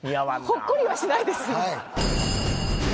ほっこりはしないです